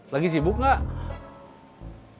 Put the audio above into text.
lagi sibuk gak